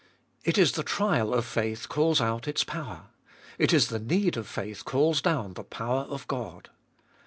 It is the trial of faith calls out its power ; it is the need of faith calls down the power of God.